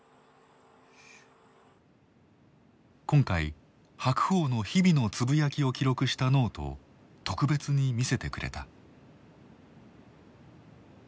今回白鵬の日々のつぶやきを記録したノートを特別に見せてくれた。